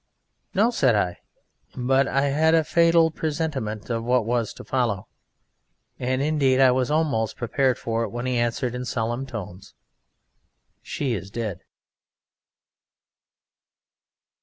"No," said I; but I had a fatal presentiment of what was to follow, and indeed I was almost prepared for it when he answered in solemn tones: "She is dead."